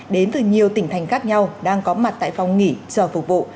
đến từ nhiều tỉnh thành khác nhau đang có mặt tại phòng nghỉ chờ phục vụ